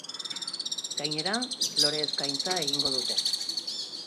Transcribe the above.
Gainera, lore-eskaintza egingo dute.